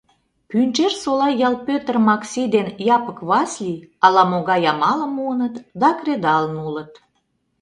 Пӱнчерсола ял Пӧтыр Макси ден Япык Васли ала-могай амалым муыныт да кредалын улыт.